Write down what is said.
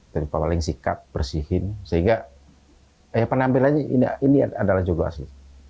terutama paling sikat bersihin sehingga penampilannya ini adalah jodoh asli